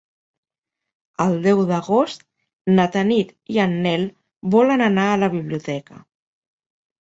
El deu d'agost na Tanit i en Nel volen anar a la biblioteca.